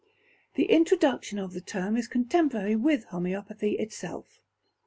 The introduction of the term is contemporary with homoeopathy itself.